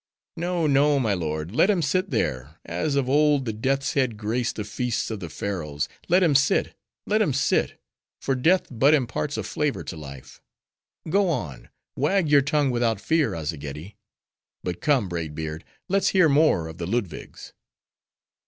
"No, no, my lord. Let him sit there, as of old the Death's head graced the feasts of the Pharaohs—let him sit—let him sit—for Death but imparts a flavor to Life—Go on: wag your tongue without fear, Azzageddi!—But come, Braid Beard! let's hear more of the Ludwigs."